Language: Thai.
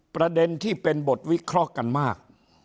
ประเด็นที่เป็นบทวิเคราะห์กันมาก